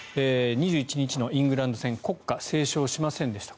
２１日のイングランド戦国歌斉唱をしませんでした。